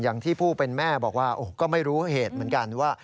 อย่างที่ผู้เป็นแม่บอกว่าก็ไม่รู้เหตุเหมือนกันว่า